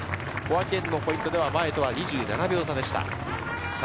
小涌園のポイントでは前とは２７秒差でした。